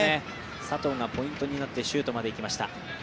佐藤がポイントになってシュートまでいきました。